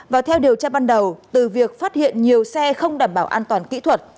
và theo điều tra ban đầu từ việc phát hiện nhiều xe không đảm bảo an toàn kỹ thuật